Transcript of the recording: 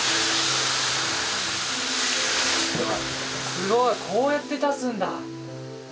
すごいこうやって出すんだ。